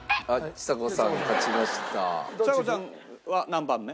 ちさ子ちゃんは何番目？